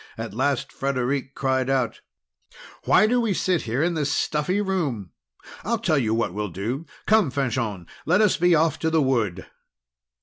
At last Frederic cried out: "Why do we sit here in this stuffy room? I'll tell you what we'll do! Come, Fanchon, let us be off to the wood!"